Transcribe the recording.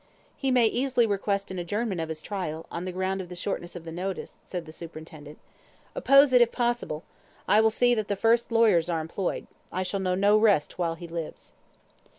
"He may easily request an adjournment of his trial, on the ground of the shortness of the notice," said the superintendent. "Oppose it, if possible. I will see that the first lawyers are employed. I shall know no rest while he lives."